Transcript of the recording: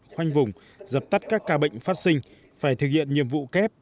khoanh vùng dập tắt các ca bệnh phát sinh phải thực hiện nhiệm vụ kép